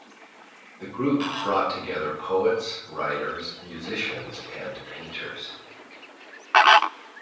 The group brought together poets, writers, musicians and painters.